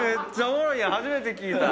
初めて聞いた。